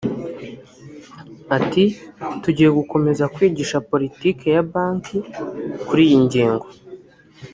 Ati “Tugiye gukomeza kwigisha politiki ya banki kuri iyi ngingo